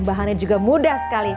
bahannya juga mudah sekali